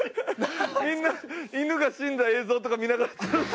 みんな犬が死んだ映像とか見ながらずっと。